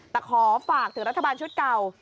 แต่ขอฝากถึงรัฐบาลชุดเก่า